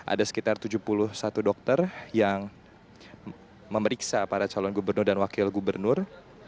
ada sekitar tujuh puluh satu dokter yang memeriksa para calon gubernur dan wakil gubernur